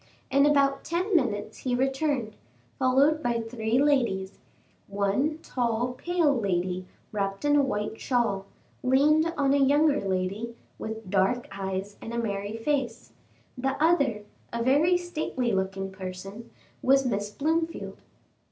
In about ten minutes he returned, followed by three ladies; one tall, pale lady, wrapped in a white shawl, leaned on a younger lady, with dark eyes and a merry face; the other, a very stately looking person, was Miss Blomefield.